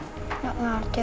gak ngerti oma